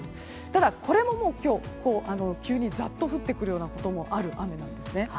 ただ、これも今日急にザッと降ってくることもある雨なんですね。